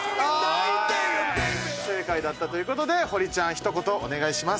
不正解だったという事で堀ちゃんひと言お願いします。